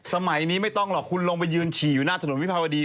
สมัยนี้ไม่ต้องหรอกคุณลงไปยืนฉี่อยู่หน้าถนนวิภาวดี